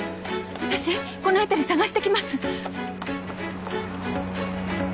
私この辺り捜してきます。